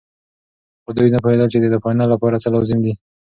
خو دوی نه پوهېدل چې د فاینل لپاره څه لازم دي.